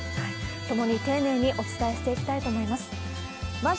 ともに丁寧にお伝えしていきたいと思います。